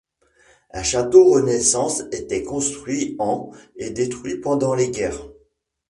Un château renaissance était construit en et détruit pendant les guerres.